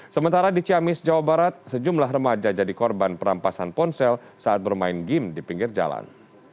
sementara di ciamis jawa barat sejumlah remaja jadi korban perampasan ponsel saat bermain game di pinggir jalan